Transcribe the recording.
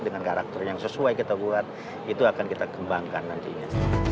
dengan karakter yang sesuai kita buat itu akan kita kembangkan nantinya